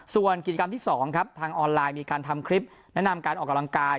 ส่วนกิจกรรมที่๒ครับทางออนไลน์มีการทำคลิปแนะนำการออกกำลังกาย